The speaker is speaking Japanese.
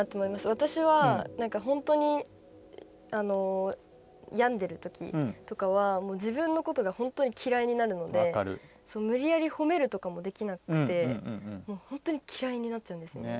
私は本当にやんでるときとかは自分のことが本当に嫌いになるので無理やり褒めるとかもできなくて本当に嫌いになっちゃうんですよ。